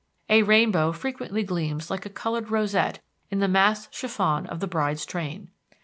A rainbow frequently gleams like a colored rosette in the massed chiffon of the bride's train.